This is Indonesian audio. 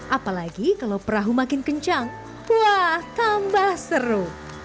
apalagi kalau perahu makin kencang wah tambah seru